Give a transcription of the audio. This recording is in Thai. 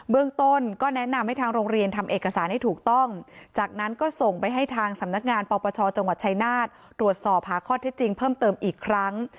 เรื่องต้นก็แนะนำให้ทางโรงเรียนทำเอกสารให้ถูกต้องจากนั้นก็ส่งไปให้ทางสำนักงานปปชจังหวัดชายนาฏตรวจสอบหาข้อเท็จจริงเพิ่มเติมอีกครั้ง